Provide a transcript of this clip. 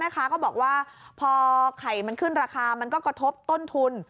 ก็บอกว่าพอไข่มันขึ้นราคามันก็กระทบต้นทุน